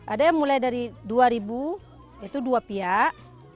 ada yang mulai dari rp dua yaitu dua piak